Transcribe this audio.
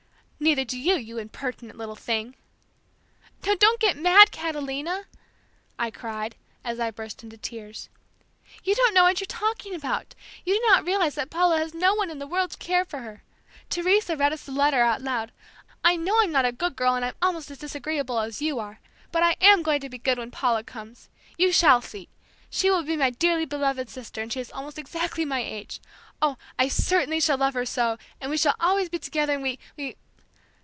"Neither do you, you impertinent little thing." "Now, don't get mad, Catalina!" I cried, as I burst into tears. "You don't know what you are talking about. You do not realize that Paula has no one in the world to care for her. Teresa read us the letter out loud. I know I'm not a good girl and I'm almost as disagreeable as you are, but I am going to be good when Paula comes. You shall see. She will be my dearly beloved sister and she is almost exactly my age. Oh, I certainly shall love her so, and we shall always be together and we, we...."